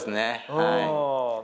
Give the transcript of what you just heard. はい。